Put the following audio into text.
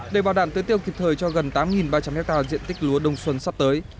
để bảo đảm tưới tiêu kịp thời cho gần tám ba trăm linh hectare diện tích lúa đông xuân sắp tới